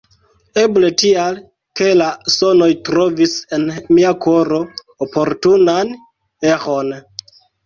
Eble tial, ke la sonoj trovis en mia koro oportunan eĥon.